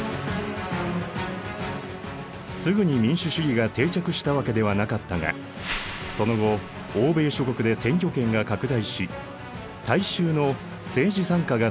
すぐに民主主義が定着したわけではなかったがその後欧米諸国で選挙権が拡大し大衆の政治参加が進んでいった。